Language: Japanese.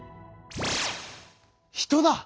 人だ！